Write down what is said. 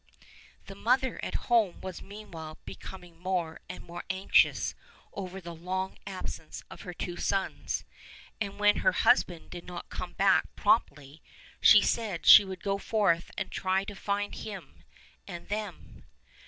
The mother at home was meanwhile be coming more and more anxious over the long absence of her two sons, and when her hus band did not come back promptly she said she would go forth and try to find him and them.